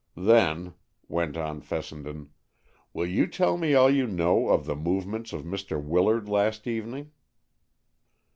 "Then," went on Fessenden, "will you tell me all you know of the movements of Mr. Willard last evening?"